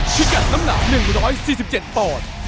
ที่กัดน้ำหนา๑๔๗ตอน